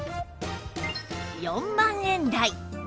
４万円台